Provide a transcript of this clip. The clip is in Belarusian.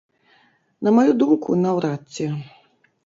На маю думку, наўрад ці.